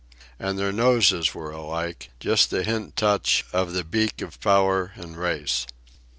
And their noses were alike, just the hint touch of the beak of power and race.